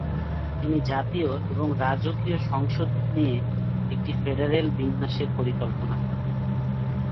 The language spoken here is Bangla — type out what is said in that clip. তিনি জাতীয় এবং রাজকীয় সংসদ নিয়ে একটি ফেডারেল বিন্যাসের পরিকল্পনা করেন।